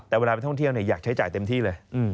แต่เวลาไปท่องเที่ยวอยากใช้จ่ายเต็มที่เลย